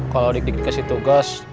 kalo dikdik dikasih tugas